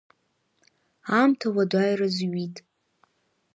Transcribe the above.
Аамҭа ауадаҩра зҩит.